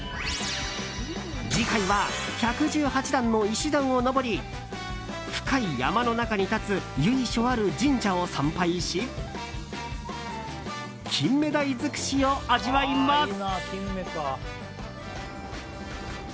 次回は１１８段の石段を上り深い山の中に立つ由緒ある神社を参拝しキンメダイ尽くしを味わいます。